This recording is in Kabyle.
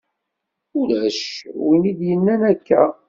Ulac win i d-yennan akka.